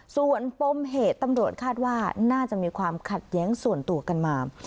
ส่วนปมเหตุตำรวจคาดว่าน่าจะมีความขัดแย้งส่วนตัวกันมา